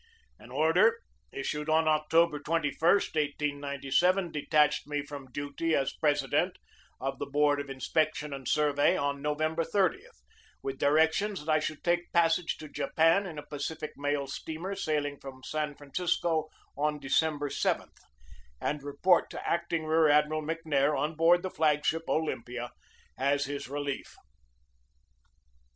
An order issued on October 21, 1897, detached me from duty as president of the board of inspec tion and survey on November 30, with directions that I should take passage to Japan in a Pacific 170 GEORGE DEWEY Mail steamer sailing from San Francisco on Decem ber 7, and report to Acting Rear Admiral McNair on board the flag ship Olympia as his relief.